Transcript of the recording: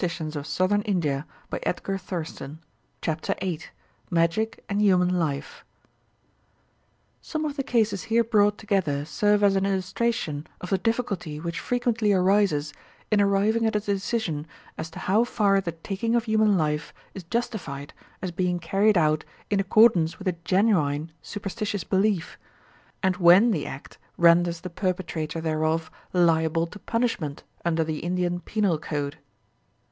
The headless trunk was buried in the path of the wheels. VIII MAGIC AND HUMAN LIFE Some of the cases here brought together serve as an illustration of the difficulty which frequently arises in arriving at a decision as to how far the taking of human life is justified as being carried out in accordance with a genuine superstitious belief, and when the act renders the perpetrator thereof liable to punishment under the Indian Penal Code.